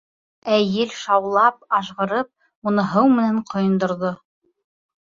Ә ел шаулап, ажғырып уны һыу менән ҡойондорҙо.